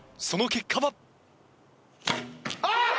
その結果は！？あっ！